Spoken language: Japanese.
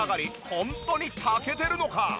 ホントに炊けてるのか？